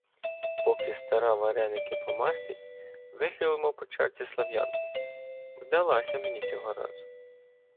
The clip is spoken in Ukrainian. Поки стара вареники помастить, вихилимо по чарці слив'янки — вдалася мені цього разу.